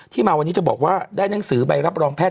มาวันนี้จะบอกว่าได้หนังสือใบรับรองแพทย